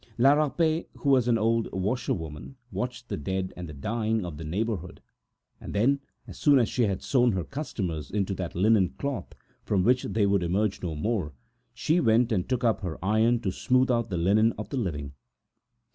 La Rapet, who was an old washerwoman, watched the dead and the dying of the neighborhood, and then, as soon as she had sewn her customers into that linen cloth from which they would emerge no more, she went and took up her irons to smooth the linen of the living.